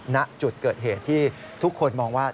ณจุดเกิดเหตุที่ทุกคนมองว่า